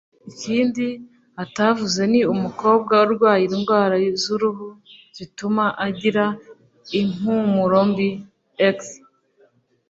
Ikindi Utavuze Ni Umukobwa Urwaye Indwara Z’uruhu Zituma Agira Impumurombi (ex